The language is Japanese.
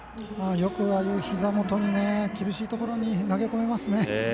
よく、ああいうひざ元厳しいところに投げ込めますね。